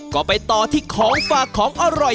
ก็ไปต่อที่ของฝากของอร่อย